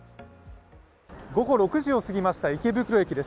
午後６時を過ぎました、池袋駅です